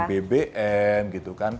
bbn gitu kan